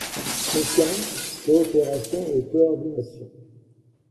Confiance, coopération et coordination.